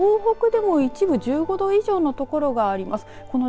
また東北でも一部１５度以上の所があります。